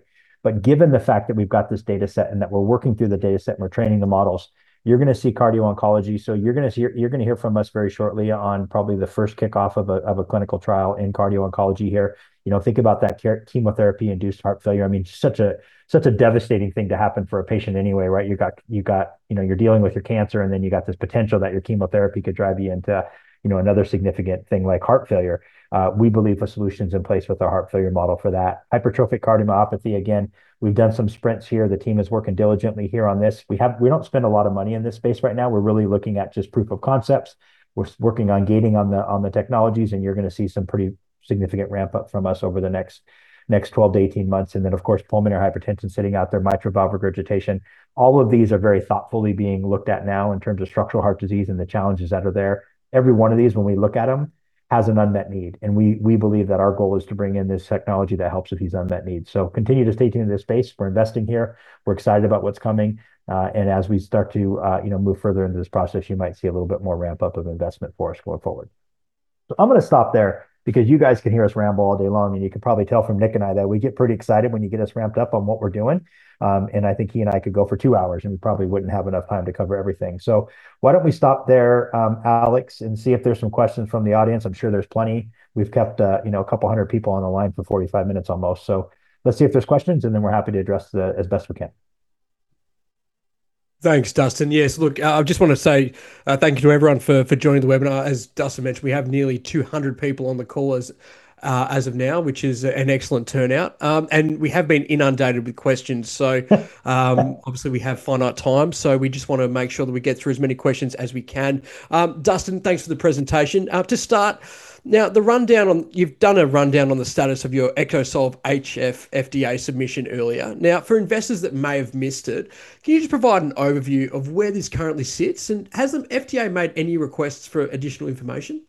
Given the fact that we've got this dataset and that we're working through the dataset and we're training the models, you're gonna see cardio-oncology. You're gonna hear from us very shortly on probably the first kickoff of a clinical trial in cardio-oncology here. You know, think about that chemotherapy-induced heart failure. I mean, such a devastating thing to happen for a patient anyway, right? You got, you know, you're dealing with your cancer, and then you got this potential that your chemotherapy could drive you into, you know, another significant thing like heart failure. We believe a solution's in place with our heart failure model for that. Hypertrophic cardiomyopathy, again, we've done some sprints here. The team is working diligently here on this. We don't spend a lot of money in this space right now. We're really looking at just proof of concepts. We're working on gaining on the technologies, and you're gonna see some pretty significant ramp-up from us over the next 12 months-18 months. Then of course, pulmonary hypertension sitting out there, mitral valve regurgitation. All of these are very thoughtfully being looked at now in terms of structural heart disease and the challenges that are there. Every one of these, when we look at them, has an unmet need, and we believe that our goal is to bring in this technology that helps with these unmet needs. Continue to stay tuned to this space. We're investing here. We're excited about what's coming. As we start to, you know, move further into this process, you might see a little bit more ramp-up of investment for us going forward. I'm going to stop there because you guys can hear us ramble all day long, and you can probably tell from Nick and I that we get pretty excited when you get us ramped up on what we're doing. I think he and I could go for two hours, and we probably wouldn't have enough time to cover everything. Why don't we stop there, Alex, and see if there's some questions from the audience. I'm sure there's plenty. We've kept, you know, a couple 100 people on the line for 45 minutes almost. Let's see if there's questions, and then we're happy to address as best we can. Thanks, Dustin. Yes, look, I just wanna say thank you to everyone for joining the webinar. As Dustin mentioned, we have nearly 200 people on the call as of now, which is an excellent turnout. We have been inundated with questions. Obviously we have finite time, so we just wanna make sure that we get through as many questions as we can. Dustin, thanks for the presentation. To start, you've done a rundown on the status of your EchoSolv HF, FDA submission earlier. For investors that may have missed it, can you just provide an overview of where this currently sits? Has the FDA made any requests for additional information?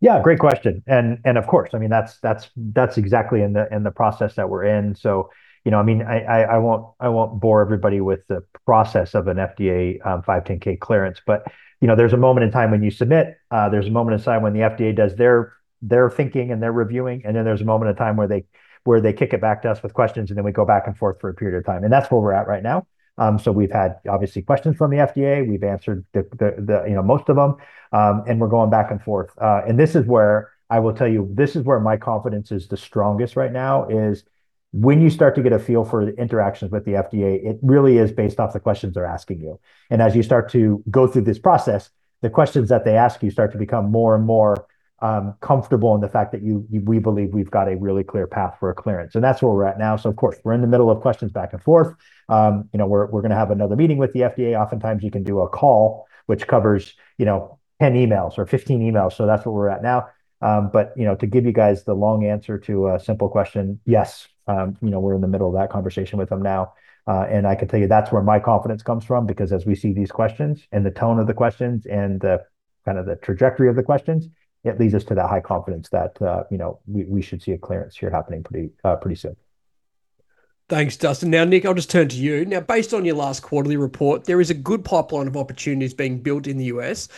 Yeah, great question. Of course. I mean, that's exactly in the process that we're in. You know, I mean, I won't bore everybody with the process of an FDA 510(k) clearance. You know, there's a moment in time when you submit, there's a moment in time when the FDA does their thinking and reviewing, and then there's a moment in time where they kick it back to us with questions, and then we go back and forth for a period of time. That's where we're at right now. We've had obviously questions from the FDA. We've answered, you know, most of them. We're going back and forth. I will tell you, this is where my confidence is the strongest right now, is when you start to get a feel for the interactions with the FDA, it really is based off the questions they're asking you. As you start to go through this process, the questions that they ask you start to become more and more comfortable in the fact that we believe we've got a really clear path for a clearance. That's where we're at now. Of course, we're in the middle of questions back and forth. You know, we're gonna have another meeting with the FDA. Oftentimes you can do a call which covers, you know, 10 emails or 15 emails. That's where we're at now. You know, to give you guys the long answer to a simple question, yes, you know, we're in the middle of that conversation with them now. I can tell you that's where my confidence comes from because as we see these questions and the tone of the questions and the kind of the trajectory of the questions, it leads us to that high confidence that, you know, we should see a clearance here happening pretty soon. Thanks, Dustin. Now, Nick, I'll just turn to you. Now, based on your last quarterly report, there is a good pipeline of opportunities being built in the U.S.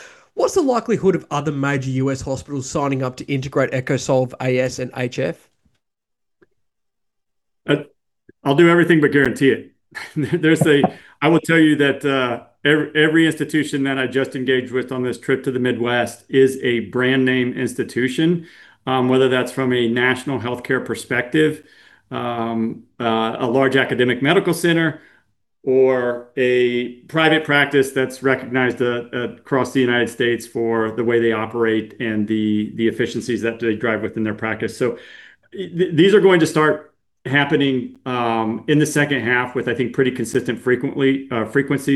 What's the likelihood of other major U.S. hospitals signing up to integrate EchoSolv AS and HF? I'll do everything but guarantee it. I will tell you that every institution that I just engaged with on this trip to the Midwest is a brand name institution, whether that's from a national healthcare perspective. A large academic medical center, or a private practice that's recognized across the U.S. for the way they operate and the efficiencies that they drive within their practice. These are going to start happening in the second half with, I think, pretty consistent frequency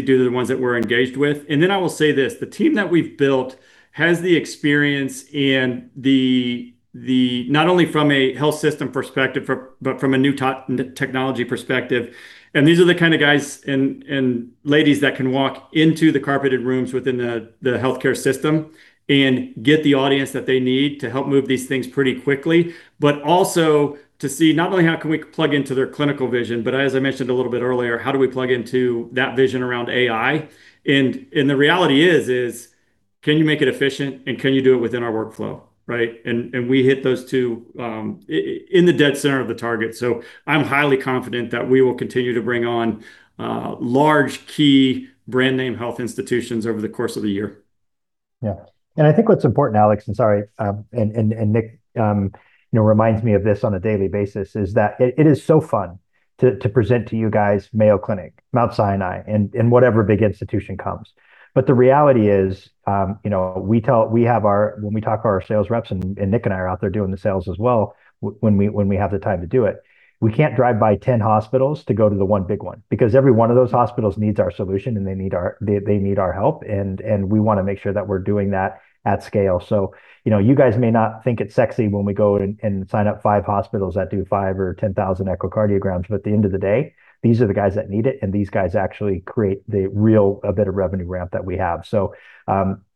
due to the ones that we're engaged with. I will say this. The team that we've built has the experience and the not only from a health system perspective but from a new technology perspective. These are the kind of guys and ladies that can walk into the carpeted rooms within the healthcare system and get the audience that they need to help move these things pretty quickly. Also to see not only how can we plug into their clinical vision, but as I mentioned a little bit earlier, how do we plug into that vision around AI? The reality is, can you make it efficient, and can you do it within our workflow, right? We hit those two in the dead center of the target. I'm highly confident that we will continue to bring on large key brand name health institutions over the course of the year. Yeah. I think what's important, Alex, and sorry, and Nick, you know, reminds me of this on a daily basis, is that it is so fun to present to you guys Mayo Clinic, Mount Sinai, and whatever big institution comes. The reality is, you know, when we talk to our sales reps, and Nick and I are out there doing the sales as well when we have the time to do it. We can't drive by 10 hospitals to go to the one big one because every one of those hospitals needs our solution, and they need our help, and we wanna make sure that we're doing that at scale. You know, you guys may not think it's sexy when we go and sign up five hospitals that do five or 10,000 echocardiograms. At the end of the day, these are the guys that need it, and these guys actually create a bit of revenue ramp that we have.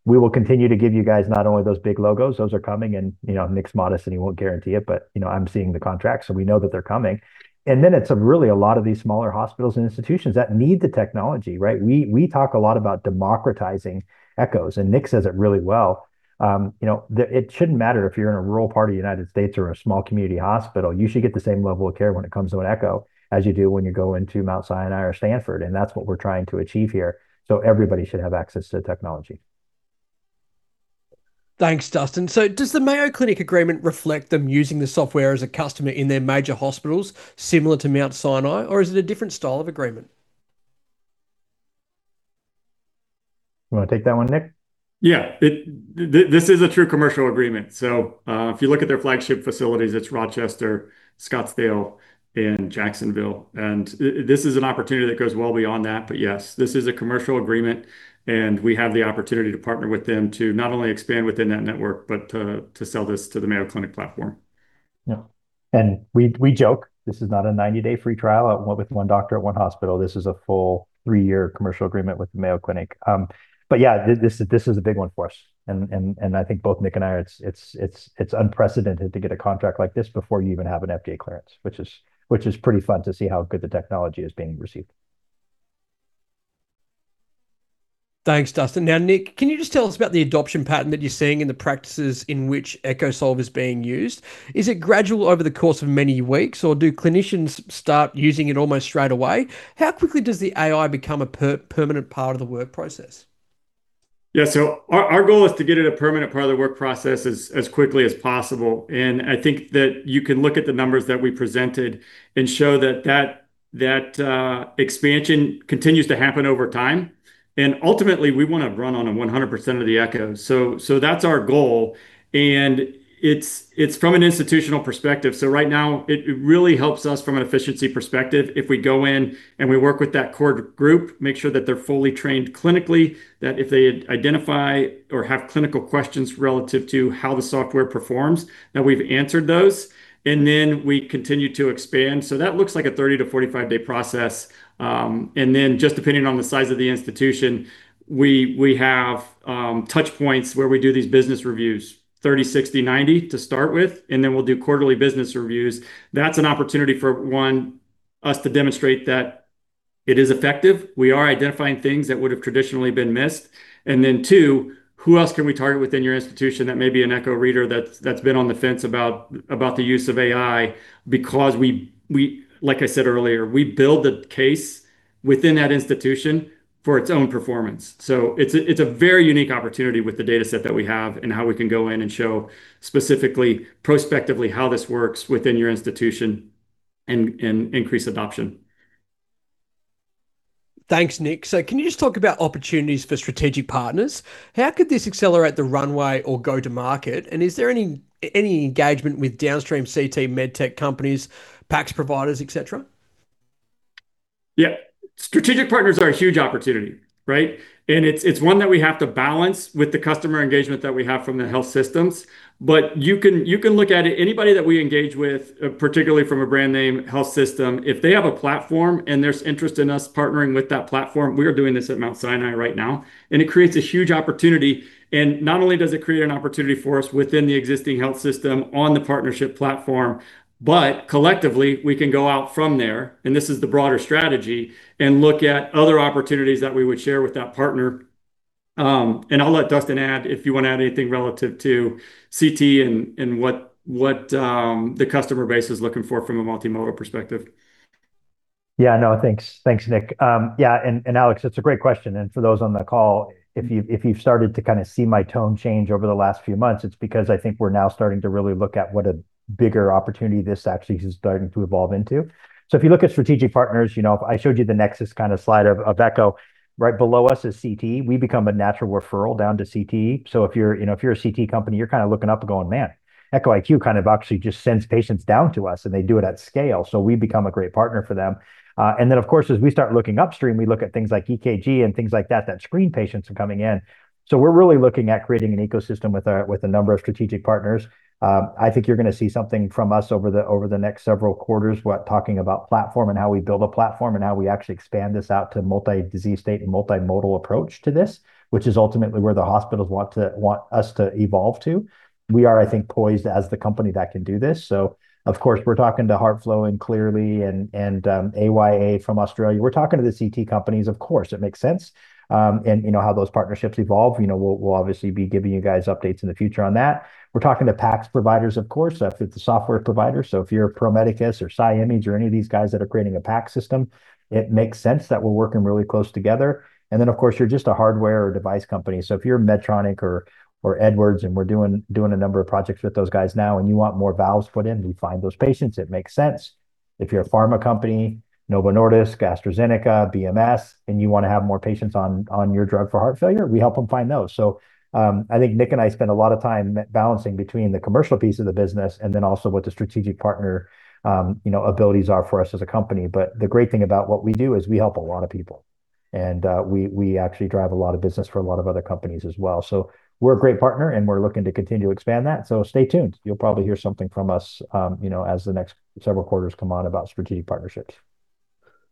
We will continue to give you guys not only those big logos, those are coming, and, you know, Nick's modest and he won't guarantee it, but, you know, I'm seeing the contracts, so we know that they're coming. It's really a lot of these smaller hospitals and institutions that need the technology, right? We talk a lot about democratizing echoes, and Nick says it really well. You know, it shouldn't matter if you're in a rural part of the U.S. or a small community hospital. You should get the same level of care when it comes to an echo as you do when you go into Mount Sinai or Stanford, and that's what we're trying to achieve here. Everybody should have access to technology. Thanks, Dustin. Does the Mayo Clinic agreement reflect them using the software as a customer in their major hospitals similar to Mount Sinai, or is it a different style of agreement? You wanna take that one, Nick? Yeah. This is a true commercial agreement. If you look at their flagship facilities, it's Rochester, Scottsdale, and Jacksonville. This is an opportunity that goes well beyond that. Yes, this is a commercial agreement, and we have the opportunity to partner with them to not only expand within that network, but to sell this to the Mayo Clinic platform. We joke, this is not a 90-day free trial with one doctor at one hospital. This is a full 3-year commercial agreement with the Mayo Clinic. Yeah, this is a big one for us. I think both Nick and I, it's unprecedented to get a contract like this before you even have an FDA clearance, which is pretty fun to see how good the technology is being received. Thanks, Dustin. Nick, can you just tell us about the adoption pattern that you're seeing in the practices in which EchoSolv is being used? Is it gradual over the course of many weeks, or do clinicians start using it almost straight away? How quickly does the AI become a permanent part of the work process? Yeah. Our goal is to get it a permanent part of the work process as quickly as possible. I think that you can look at the numbers that we presented and show that expansion continues to happen over time. Ultimately, we wanna run on 100% of the echo. That's our goal. It's from an institutional perspective. Right now it really helps us from an efficiency perspective if we go in and we work with that core group, make sure that they're fully trained clinically, that if they identify or have clinical questions relative to how the software performs, that we've answered those, and then we continue to expand. That looks like a 30 day-45 day process. Just depending on the size of the institution, we have touch points where we do these business reviews, 30, 60, 90 to start with, and then we'll do quarterly business reviews. That's an opportunity for, one, us to demonstrate that it is effective. We are identifying things that would've traditionally been missed. Two, who else can we target within your institution that may be an echo reader that's been on the fence about the use of AI because we, like I said earlier, we build the case within that institution for its own performance. It's a very unique opportunity with the data set that we have and how we can go in and show specifically, prospectively how this works within your institution and increase adoption. Thanks, Nick. Can you just talk about opportunities for strategic partners? How could this accelerate the runway or go to market? Is there any engagement with downstream CT MedTech companies, PACS providers, et cetera? Yeah. Strategic partners are a huge opportunity, right? It's one that we have to balance with the customer engagement that we have from the health systems. You can look at it, anybody that we engage with, particularly from a brand name health system. If they have a platform and there's interest in us partnering with that platform, we are doing this at Mount Sinai right now, and it creates a huge opportunity. Not only does it create an opportunity for us within the existing health system on the partnership platform, but collectively we can go out from there, and this is the broader strategy, and look at other opportunities that we would share with that partner. I'll let Dustin add, if you wanna add anything relative to CT and what the customer base is looking for from a multimodal perspective. Yeah, no, thanks. Thanks, Nick. Yeah, and Alex, it's a great question, and for those on the call, if you, if you've started to kind of see my tone change over the last few months, it's because I think we're now starting to really look at what a bigger opportunity this actually is starting to evolve into. If you look at strategic partners, you know, I showed you the nexus kind of slide of echo. Right below us is CT. We become a natural referral down to CT. If you're, you know, if you're a CT company, you're kind of looking up and going, man, Echo IQ kind of actually just sends patients down to us, and they do it at scale. We become a great partner for them. Then of course, as we start looking upstream, we look at things like EKG and things like that that screen patients coming in. We're really looking at creating an ecosystem with a number of strategic partners. I think you're gonna see something from us over the next several quarters. We're talking about platform and how we build a platform and how we actually expand this out to multi-disease state and multimodal approach to this, which is ultimately where the hospitals want us to evolve to. We are, I think, poised as the company that can do this. Of course we're talking to HeartFlow and Cleerly and Aidoc from Australia. We're talking to the CT companies, of course. It makes sense. You know how those partnerships evolve. You know, we'll obviously be giving you guys updates in the future on that. We're talking to PACS providers, of course, the software providers, so if you're a Pro Medicus or ScImage or any of these guys that are creating a PACS system, it makes sense that we're working really close together. Of course, you're just a hardware or device company. If you're Medtronic or Edwards, and we're doing a number of projects with those guys now and you want more valves put in, we find those patients, it makes sense. If you're a pharma company, Novo Nordisk, AstraZeneca, BMS, and you wanna have more patients on your drug for heart failure, we help them find those. I think Nick and I spend a lot of time balancing between the commercial piece of the business and then also what the strategic partner, you know, abilities are for us as a company. The great thing about what we do is we help a lot of people, and we actually drive a lot of business for a lot of other companies as well. We're a great partner, and we're looking to continue to expand that, so stay tuned. You'll probably hear something from us, you know, as the next several quarters come on about strategic partnerships.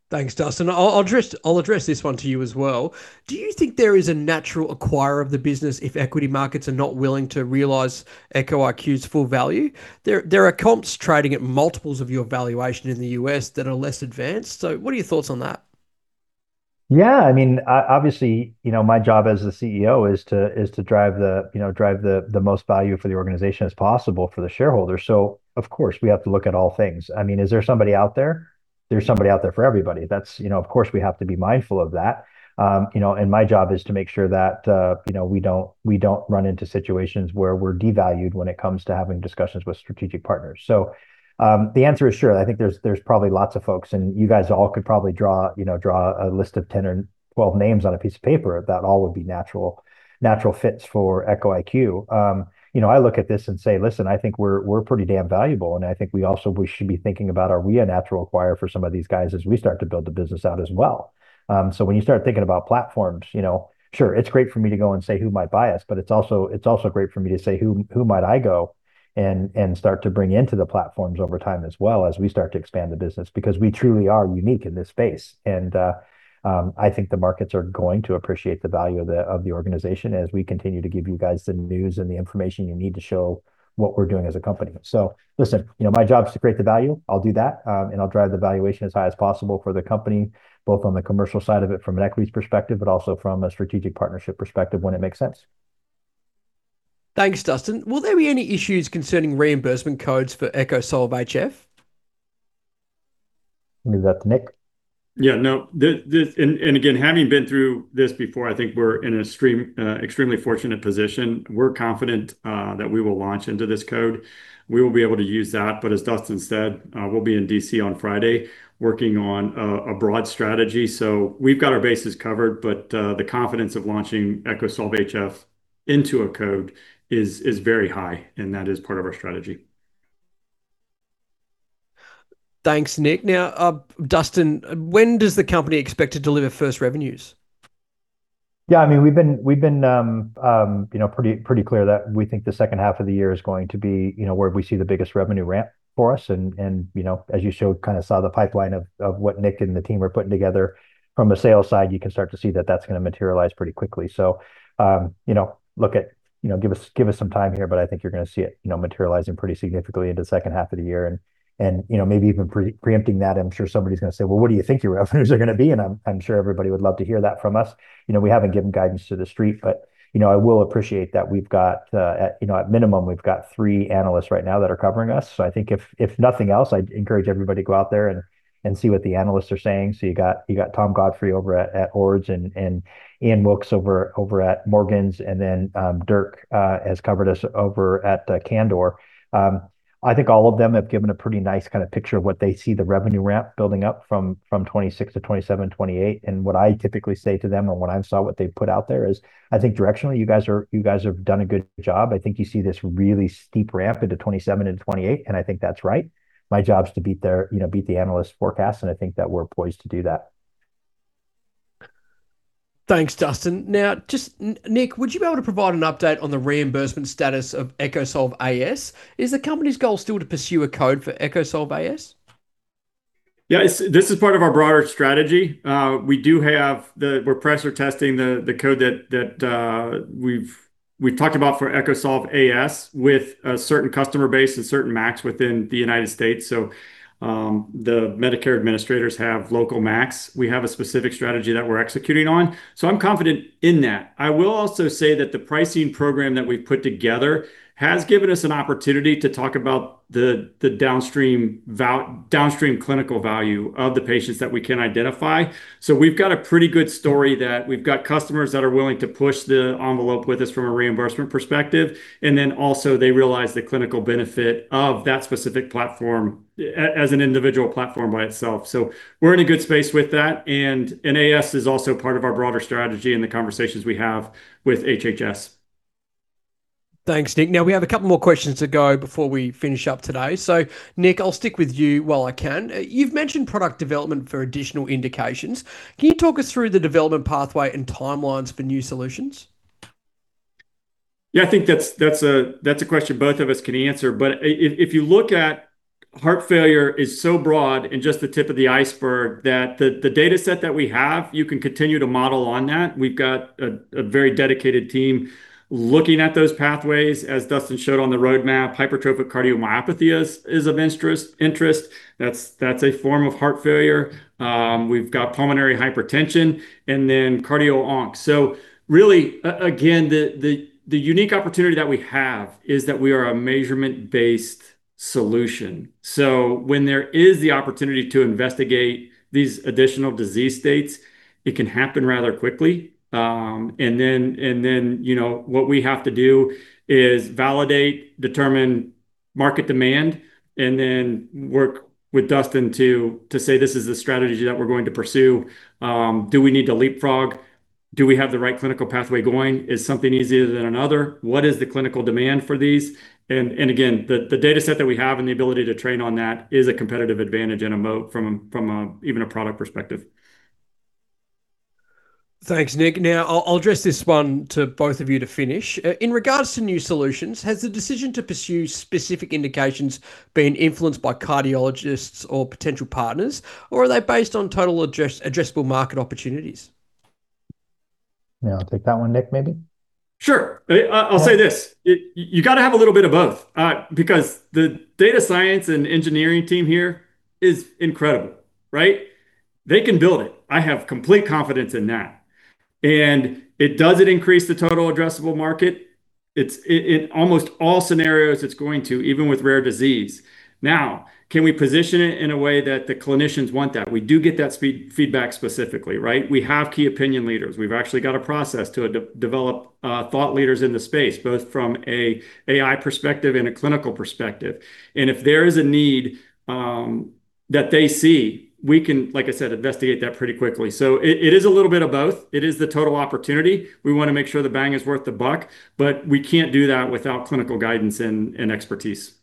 Thanks, Dustin. I'll address this one to you as well. Do you think there is a natural acquirer of the business if equity markets are not willing to realize Echo IQ's full value? There are comps trading at multiples of your valuation in the U.S. that are less advanced. What are your thoughts on that? Yeah, I mean, obviously, you know, my job as the CEO is to drive the, you know, drive the most value for the organization as possible for the shareholders. Of course, we have to look at all things. I mean, is there somebody out there? There's somebody out there for everybody. That's, you know, of course we have to be mindful of that. You know, my job is to make sure that, you know, we don't run into situations where we're devalued when it comes to having discussions with strategic partners. The answer is sure. I think there's probably lots of folks, and you guys all could probably draw, you know, a list of 10 or 12 names on a piece of paper that all would be natural fits for Echo IQ. You know, I look at this and say, listen, I think we're pretty damn valuable, and I think we also should be thinking about are we a natural acquire for some of these guys as we start to build the business out as well. When you start thinking about platforms, you know, sure, it's great for me to go and say who might buy us, but it's also great for me to say who might I go and start to bring into the platforms over time as well as we start to expand the business, because we truly are unique in this space. I think the markets are going to appreciate the value of the organization as we continue to give you guys the news and the information you need to show what we're doing as a company. Listen, you know, my job is to create the value. I'll do that. And I'll drive the valuation as high as possible for the company, both on the commercial side of it from an equities perspective, but also from a strategic partnership perspective when it makes sense. Thanks, Dustin. Will there be any issues concerning reimbursement codes for EchoSolv HF? Leave that to Nick. Yeah, no. Again, having been through this before, I think we're in a stream extremely fortunate position. We're confident that we will launch into this code. We will be able to use that. As Dustin said, we'll be in D.C. on Friday working on a broad strategy. We've got our bases covered, but the confidence of launching EchoSolv HF into a code is very high, and that is part of our strategy. Thanks, Nick. Now, Dustin, when does the company expect to deliver first revenues? I mean, we've been, you know, pretty clear that we think the second half of the year is going to be, you know, where we see the biggest revenue ramp for us and, you know, as you showed, kind of saw the pipeline of what Nick and the team are putting together from a sales side, you can start to see that that's gonna materialize pretty quickly. You know, look at, you know give us some time here, but I think you're gonna see it, you know, materializing pretty significantly into the second half of the year and, you know, maybe even preempting that, I'm sure somebody's gonna say, well, what do you think your revenues are gonna be? I'm sure everybody would love to hear that from us. We haven't given guidance to the street, I will appreciate that we've got at minimum, we've got three analysts right now that are covering us. I think if nothing else, I'd encourage everybody to go out there and see what the analysts are saying. You got Tom Godfrey over at Ord's and Iain Wilkie over at Morgans, Dirk has covered us over at Candor. I think all of them have given a pretty nice kind of picture of what they see the revenue ramp building up from 2026 to 2027, 2028. What I typically say to them or when I saw what they put out there is, I think directionally, you guys have done a good job. I think you see this really steep ramp into 2027 and 2028. I think that's right. My job is to beat their you know, beat the analyst forecast. I think that we're poised to do that. Thanks, Dustin. Now just, Nick, would you be able to provide an update on the reimbursement status of EchoSolv AS? Is the company's goal still to pursue a code for EchoSolv AS? Yeah. This is part of our broader strategy. We're pressure testing the code that we've talked about for EchoSolv AS with a certain customer base and certain MACs within the U.S. The Medicare administrators have local MACs. We have a specific strategy that we're executing on. I'm confident in that. I will also say that the pricing program that we've put together has given us an opportunity to talk about the downstream clinical value of the patients that we can identify. We've got a pretty good story that we've got customers that are willing to push the envelope with us from a reimbursement perspective, and then also they realize the clinical benefit of that specific platform as an individual platform by itself. We're in a good space with that, and AS is also part of our broader strategy and the conversations we have with HHS. Thanks, Nick. We have a couple more questions to go before we finish up today. Nick, I'll stick with you while I can. You've mentioned product development for additional indications. Can you talk us through the development pathway and timelines for new solutions? Yeah, I think that's a question both of us can answer. If you look at heart failure is so broad and just the tip of the iceberg that the dataset that we have, you can continue to model on that. We've got a very dedicated team looking at those pathways. As Dustin showed on the roadmap, hypertrophic cardiomyopathy is of interest. That's a form of heart failure. We've got pulmonary hypertension and then cardio onc. Really, again, the unique opportunity that we have is that we are a measurement-based solution. When there is the opportunity to investigate these additional disease states, it can happen rather quickly. You know, what we have to do is validate, determine market demand, and then work with Dustin to say, this is the strategy that we're going to pursue. Do we need to leapfrog? Do we have the right clinical pathway going? Is something easier than another? What is the clinical demand for these? again, the dataset that we have and the ability to train on that is a competitive advantage and a moat from a even a product perspective. Thanks, Nick. I'll address this one to both of you to finish. In regards to new solutions, has the decision to pursue specific indications been influenced by cardiologists or potential partners, or are they based on total addressable market opportunities? Yeah, I'll take that one, Nick, maybe. Sure. I'll say this, you got to have a little bit of both, because the data science and engineering team here is incredible, right? They can build it. I have complete confidence in that. Does it increase the total addressable market? It's in almost all scenarios it's going to, even with rare disease. Now, can we position it in a way that the clinicians want that? We do get that feedback specifically, right? We have key opinion leaders. We've actually got a process to develop thought leaders in the space, both from a AI perspective and a clinical perspective. If there is a need that they see, we can, like I said, investigate that pretty quickly. It is a little bit of both. It is the total opportunity. We wanna make sure the bang is worth the buck, but we can't do that without clinical guidance and expertise.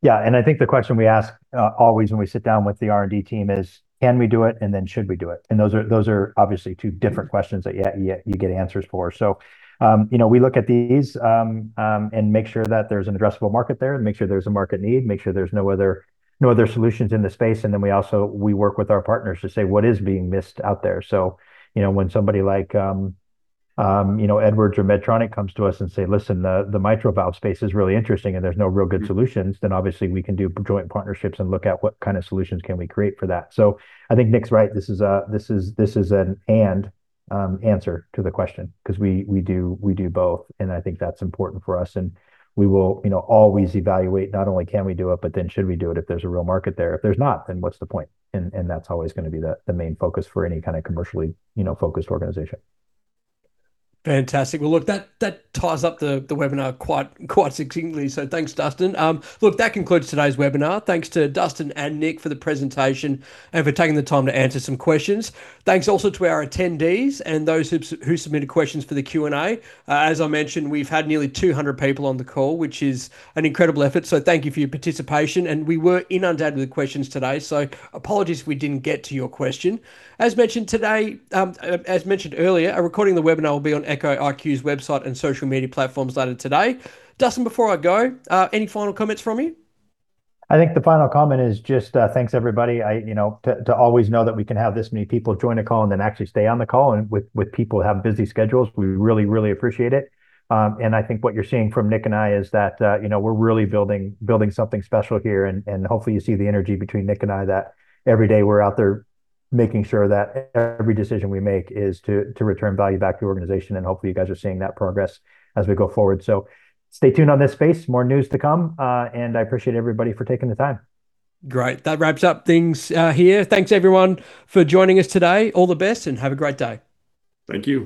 Yeah, I think the question we ask always when we sit down with the R&D team is, can we do it, should we do it? Those are obviously two different questions that you get answers for. You know, we look at these and make sure that there's an addressable market there, make sure there's a market need, make sure there's no other solutions in the space. We also, we work with our partners to say, what is being missed out there? You know, when somebody like, you know, Edwards or Medtronic comes to us and say, listen, the mitral valve space is really interesting and there's no real good solutions, obviously we can do joint partnerships and look at what kind of solutions can we create for that. I think Nick's right. This is an and answer to the question, because we do both, I think that's important for us. We will, you know, always evaluate not only can we do it, but should we do it if there's a real market there. If there's not, what's the point? That's always gonna be the main focus for any kind of commercially, you know, focused organization. Fantastic. That ties up the webinar quite succinctly. Thanks Dustin. That concludes today's webinar. Thanks to Dustin and Nick for the presentation and for taking the time to answer some questions. Thanks also to our attendees and those who submitted questions for the Q&A. As I mentioned, we've had nearly 200 people on the call, which is an incredible effort. Thank you for your participation. We were inundated with questions today. Apologies if we didn't get to your question. As mentioned today, as mentioned earlier, a recording of the webinar will be on Echo IQ's website and social media platforms later today. Dustin, before I go, any final comments from you? I think the final comment is just, thanks everybody. You know, always know that we can have this many people join a call and then actually stay on the call and with people who have busy schedules, we really appreciate it. I think what you're seeing from Nick and I is that, you know, we're really building something special here. Hopefully you see the energy between Nick and I that every day we're out there making sure that every decision we make is to return value back to the organization, and hopefully you guys are seeing that progress as we go forward. Stay tuned on this space. More news to come. I appreciate everybody for taking the time. Great. That wraps up things here. Thanks everyone for joining us today. All the best and have a great day. Thank you.